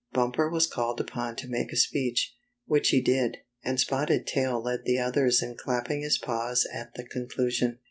Bumper was called upon to make a speech, which he did, and Spotted Tail led the others in clapping his paws at the conclusion.